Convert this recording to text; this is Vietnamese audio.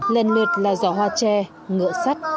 lần lượt là giỏ hoa tre ngựa sắt